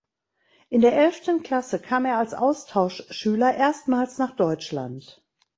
In der elften Klasse kam er als Austauschschüler erstmals nach Deutschland.